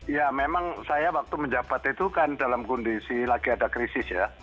ya memang saya waktu menjabat itu kan dalam kondisi lagi ada krisis ya